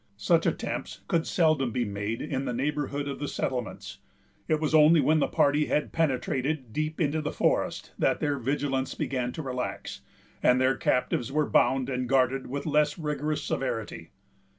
Such attempts could seldom be made in the neighborhood of the settlements. It was only when the party had penetrated deep into the forest that their vigilance began to relax, and their captives were bound and guarded with less rigorous severity.